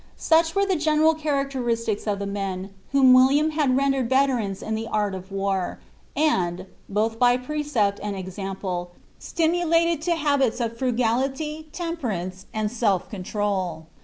Such were the general characteristics of the men whom William had rendered veterans in the art of war, and, both by precept and example, stimulated to habits of frugality, temperance, an^ self control.